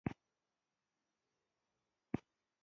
که ژوند باقي وو را ستنېږمه د خدای په امان